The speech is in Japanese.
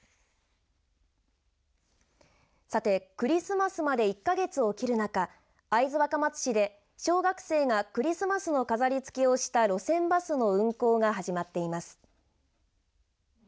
さて、クリスマスまで１か月を切る中会津若松市で小学生がクリスマスの飾りつけをした路線バスの運行が始まっています。